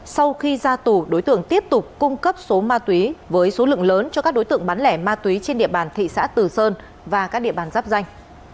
sau khi ra tù đối tượng tiếp tục cung cấp số ma túy với số lượng lớn cho các đối tượng bán lẻ ma túy trên địa bàn thị xã tử sơn và các địa bàn giáp danh